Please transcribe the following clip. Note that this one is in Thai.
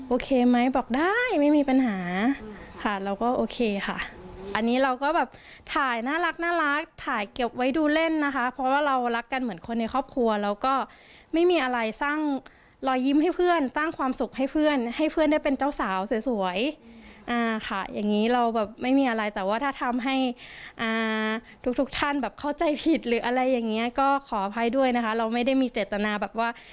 โอเคไหมบอกได้ไม่มีปัญหาค่ะเราก็โอเคค่ะอันนี้เราก็แบบถ่ายน่ารักถ่ายเก็บไว้ดูเล่นนะคะเพราะว่าเรารักกันเหมือนคนในครอบครัวเราก็ไม่มีอะไรสร้างรอยยิ้มให้เพื่อนสร้างความสุขให้เพื่อนให้เพื่อนได้เป็นเจ้าสาวสวยอ่าค่ะอย่างนี้เราแบบไม่มีอะไรแต่ว่าถ้าทำให้ทุกทุกท่านแบบเข้าใจผิดหรืออะไรอย่างเงี้ยก็ขออภัยด้วยนะคะเราไม่ได้มีเจตนาแบบว่า